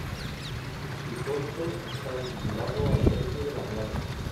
Su costo está vinculado al precio de la plata.